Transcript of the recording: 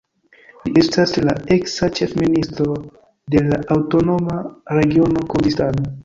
Li estas la eksa ĉefministro de la Aŭtonoma Regiono Kurdistano.